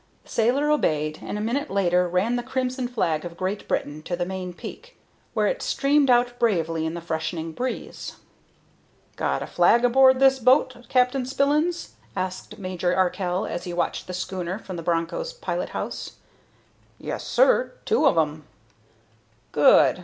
The sailor obeyed, and a minute later ran the crimson flag of Great Britain to the main peak, where it streamed out bravely in the freshening breeze. "Got a flag aboard this boat, Captain Spillins?" asked Major Arkell as he watched the schooner from the Broncho's pilot house. "Yes, sir, two of 'em." "Good.